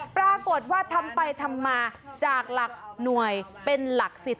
ปรากฏว่าทำไปทำมาจากหลักหน่วยเป็นหลักสิทธิ